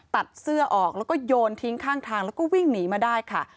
ตัดเสื้อออกแล้วก็โยนทิ้งข้างทางแล้วก็วิ่งหนีมาได้ค่ะ